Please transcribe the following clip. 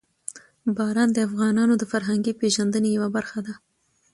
باران د افغانانو د فرهنګي پیژندنې یوه برخه ده.